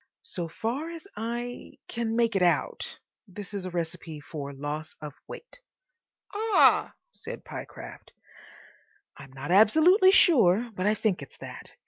"So far as I—can make it out, this is a recipe for Loss of Weight. ("Ah!" said Pyecraft.) I'm not absolutely sure, but I think it's that.